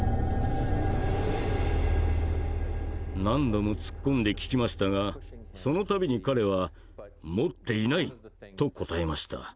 何度も突っ込んで聞きましたがその度に彼は「持っていない」と答えました。